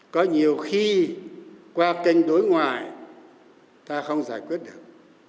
có nhiều khi qua kênh đối ngoại ta không giải quyết được